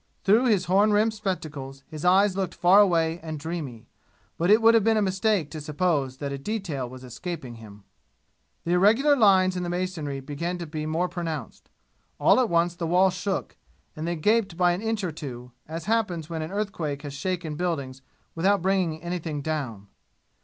Through his horn rimmed spectacles his eyes looked far away and dreamy. But it would have been a mistake to suppose that a detail was escaping him. The irregular lines in the masonry began to be more pronounced. All at once the wall shook and they gaped by an inch or two, as happens when an earthquake has shaken buildings without bringing anything down.